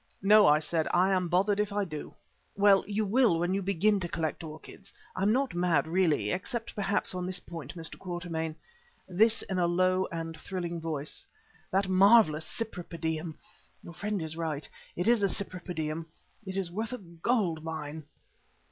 "No," I said, "I am bothered if I do." "Well, you will when you begin to collect orchids. I'm not mad, really, except perhaps on this point, Mr. Quatermain," this in a low and thrilling voice "that marvellous Cypripedium your friend is right, it is a Cypripedium is worth a gold mine."